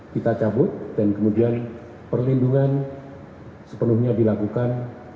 kita cabut dan kemudian perlindungan sepenuhnya dilakukan